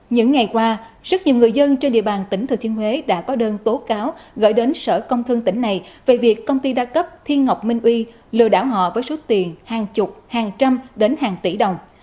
những ngày qua rất nhiều người dân trên địa bàn tỉnh thừa thiên huế đã có đơn tố cáo gửi đến sở công thương tỉnh này về việc công ty đa cấp thiên ngọc minh uy lừa đảo họ với số tiền hàng chục hàng trăm đến hàng tỷ đồng